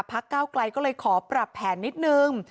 ก้าวไกลก็เลยขอปรับแผนนิดนึง